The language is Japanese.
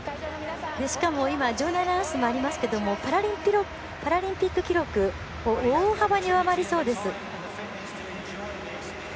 しかも、場内アナウンスもありますけどパラリンピック記録を大幅に上回りそうです。